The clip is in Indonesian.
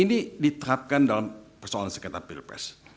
ini diterapkan dalam persoalan sekretar pilpres